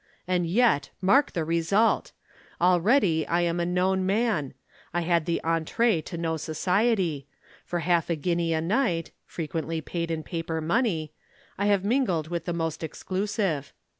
And yet, mark the result! Already I am a known man. I had the entrée to no society; for half a guinea a night (frequently paid in paper money) I have mingled with the most exclusive.